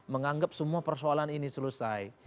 menganggap semua persoalan ini selesai